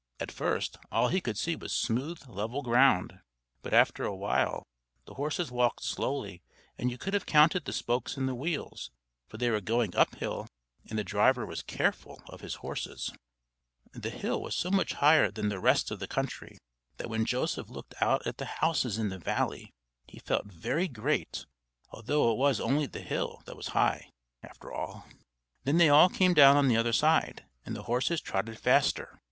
At first, all he could see was smooth, level ground; but after a while, the horses walked slowly and you could have counted the spokes in the wheels, for they were going up hill and the driver was careful of his horses. [Illustration: As soon as the inn was reached the horses stopped.] The hill was so much higher than the rest of the country that when Joseph looked out at the houses in the valley he felt very great, although it was only the hill that was high, after all. Then they all came down on the other side, and the horses trotted faster.